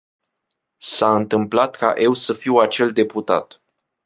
S-a întâmplat ca eu să fiu acel deputat.